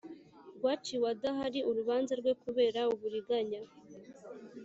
rwaciwe adahari urubanza rwe kubera uburiganya